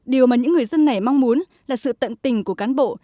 điều mà những người dân này mong muốn là sự tận tình của cán bộ